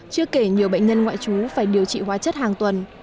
chưa kể nhiều bệnh nhân ngoại trú phải điều trị hóa chất hàng tuần